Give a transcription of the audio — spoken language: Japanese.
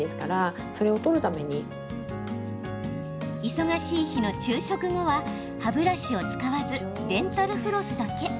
忙しい日の昼食後は歯ブラシを使わずデンタルフロスだけ。